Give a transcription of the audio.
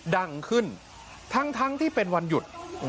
ดังขึ้นทั้งที่เป็นวันหยุด